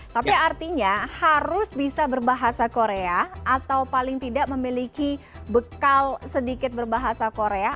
tapi artinya harus bisa berbahasa korea atau paling tidak memiliki bekal sedikit berbahasa korea